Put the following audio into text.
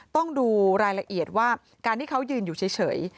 ต้องดูรายละเอียดว่าการที่เขายืนอยู่เฉย